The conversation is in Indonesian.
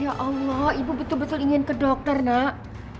ya allah ibu betul betul ingin ke dokter nak